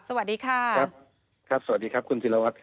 สวัสดีครับคุณศิลวัฒน์